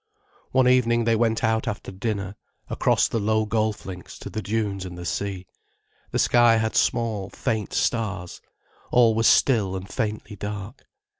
One evening they went out after dinner, across the low golf links to the dunes and the sea. The sky had small, faint stars, all was still and faintly dark.